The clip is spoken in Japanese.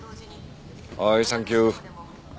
はいサンキュー。